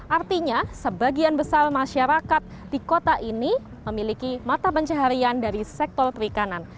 artinya sebagian besar masyarakat di kota ini memiliki mata pencaharian dari sektor perikanan